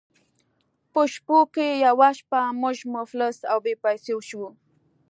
په شپو کې یوه شپه موږ مفلس او بې پیسو شوو.